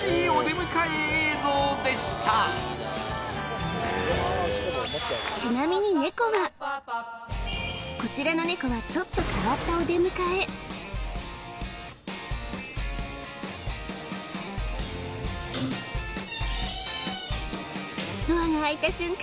何だか映像でしたこちらのネコはちょっと変わったお出迎えドアが開いた瞬間